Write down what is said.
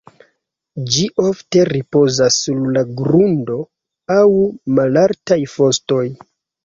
Ĝi ofte ripozas sur la grundo aŭ malaltaj fostoj.